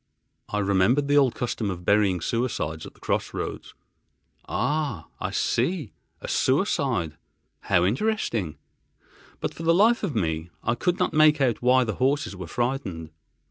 I remembered the old custom of burying suicides at cross roads: "Ah! I see, a suicide. How interesting!" But for the life of me I could not make out why the horses were frightened.